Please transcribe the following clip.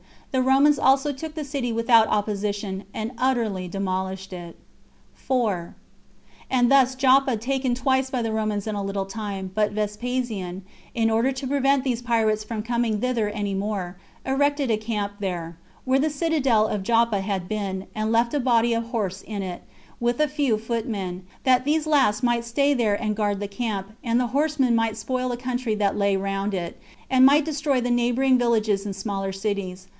The Romans also took the city without opposition, and utterly demolished it. 4. And thus was Joppa taken twice by the Romans in a little time; but Vespasian, in order to prevent these pirates from coming thither any more, erected a camp there, where the citadel of Joppa had been, and left a body of horse in it, with a few footmen, that these last might stay there and guard the camp, and the horsemen might spoil the country that lay round it, and might destroy the neighboring villages and smaller cities.